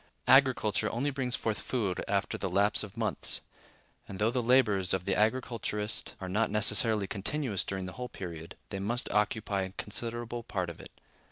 Agriculture only brings forth food after the lapse of months; and, though the labors of the agriculturist are not necessarily continuous during the whole period, they must occupy a considerable part of it.